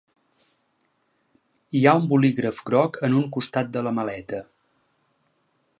Hi ha un bolígraf groc en un costat de la maleta.